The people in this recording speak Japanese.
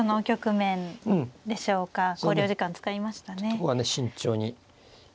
ここはね慎重に。